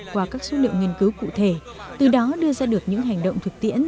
qua các số liệu nghiên cứu cụ thể từ đó đưa ra được những hành động thực tiễn